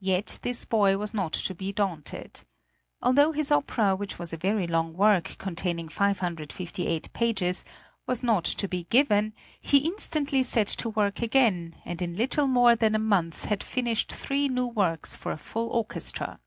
Yet this boy was not to be daunted. Although his opera which was a very long work, containing 558 pages, was not to be given, he instantly set to work again, and in little more than a month had finished three new works for a full orchestra.